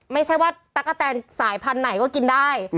ไม่ใช่ว่าตั๊กกะแตนสายพันธุ์ไหนก็กินได้